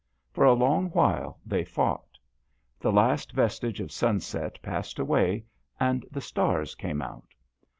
For a long while they fought. The last vestige of sunset passed away and the stars came out.